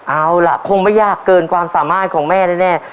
เอาล่ะคงไม่ยากเกินความสามารถของแม่แน่